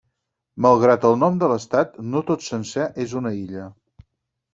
Malgrat el nom de l'estat, no tot sencer és una illa.